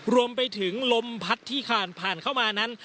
รวมไปถึงลมพัดที่ผ่านผ่านเข้ามานั้น